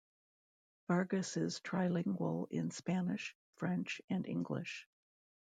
Vargas is trilingual in Spanish, French and English.